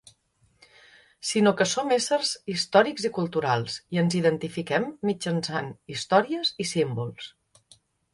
...sinó que som éssers històrics i culturals, i ens identifiquem mitjançant històries i símbols.